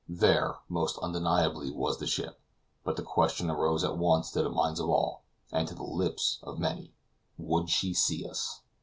There, most undeniably, was the ship, but the question rose at once to the minds of all, and to the lips of many, "Would she see us?"